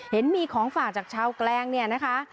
เห็นมีของฝากจากชาวแกลงเนี่ยนะคะ